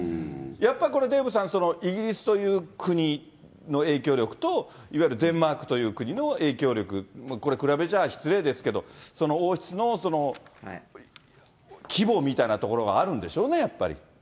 やっぱりこれ、デーブさん、イギリスという国の影響力と、いわゆるデンマークという国の影響力、これ比べちゃ失礼ですけど、その王室の規模みたいなところはあるんでしょうね、やっぱり。